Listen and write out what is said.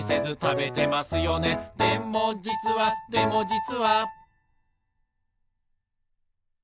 「でもじつはでもじつは」